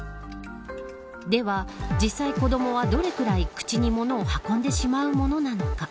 では実際、子どもはどれぐらい口に物を運んでしまうものなのか。